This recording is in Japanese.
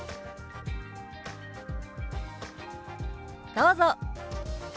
どうぞ。